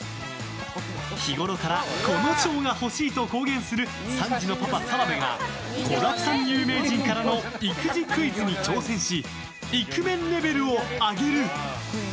日ごろから、この賞が欲しい！と公言する３児のパパ、澤部が子だくさん有名人からの育児クイズに挑戦しイクメンレベルを上げる。